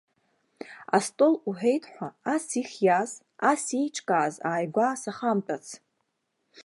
Астол уҳәеит ҳәа, ас ихиаз, ас еиҿкааз ааигәа сахамтәац!